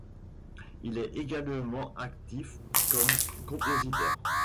Il est également actif comme compositeur.